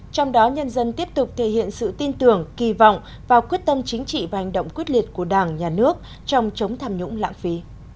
trong đó nhân dân tiếp tục thể hiện sự tin tưởng kỳ vọng vào quyết tâm chính trị và hành động quyết liệt của đảng nhà nước trong chống tham nhũng lãng phí